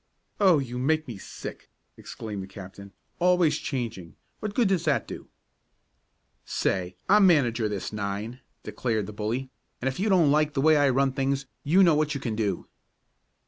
"Oh, you make me sick!" exclaimed the captain. "Always changing. What good does that do?" "Say, I'm manager of this nine!" declared the bully, "and if you don't like the way I run things, you know what you can do."